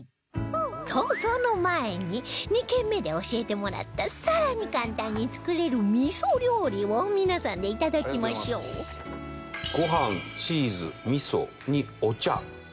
とその前に２軒目で教えてもらったさらに簡単に作れる味噌料理を皆さんで頂きましょうご飯チーズ味噌にお茶。